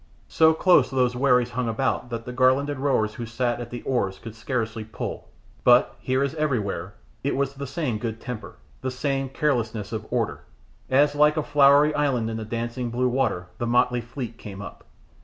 So close those wherries hung about that the garlanded rowers who sat at the oars could scarcely pull, but, here as everywhere, it was the same good temper, the same carelessness of order, as like a flowery island in the dancing blue water the motley fleet came up.